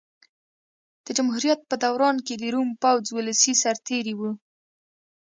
د جمهوریت په دوران کې د روم پوځ ولسي سرتېري وو